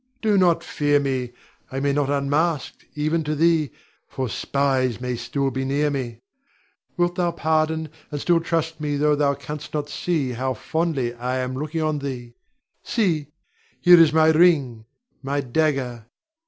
Do not fear me; I may not unmask even to thee, for spies may still be near me. Wilt thou pardon, and still trust me tho' thou canst not see how fondly I am looking on thee. See! here is my ring, my dagger.